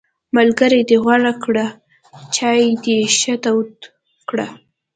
ملګری دې غوره کړه، چای دې ښه تود کړه!